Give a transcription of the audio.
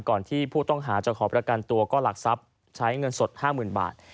ก่อนที่ผู้ต้องหาจะขอประกันตัวก็หลักทรัพย์ใช้เงินสด๕๐๐๐บาท